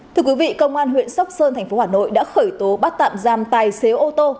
thưa quý vị công an huyện sóc sơn thành phố hà nội đã khởi tố bắt tạm giam tài xế ô tô